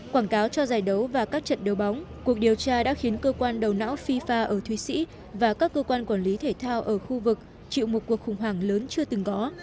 quảng cáo cho giải đấu và các trận đấu bóng cuộc điều tra đã khiến cơ quan đầu não fifa ở thụy sĩ và các cơ quan quản lý thể thao ở khu vực chịu một cuộc khủng hoảng lớn chưa từng có